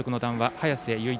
早瀬雄一